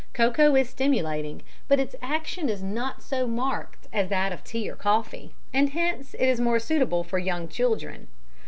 Cocoa is stimulating, but its action is not so marked as that of tea or coffee, and hence it is more suitable for young children.